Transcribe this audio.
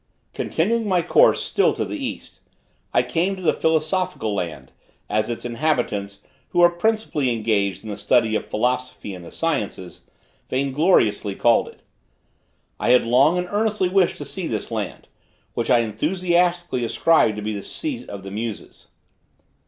Continuing my course still to the east, I came to the philosophical land, as its inhabitants, who are principally engaged in the study of philosophy and the sciences, vain gloriously call it. I had long and earnestly wished to see this land, which I enthusiastically ascribed to be the seat of the muses.